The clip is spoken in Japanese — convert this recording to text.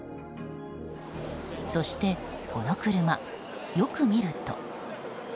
そしてこの車、よく見ると。